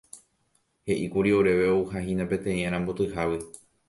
He'íkuri oréve ouhahína peteĩ arambotyhágui.